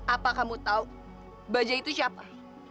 apa kamu tau bajak itu siapa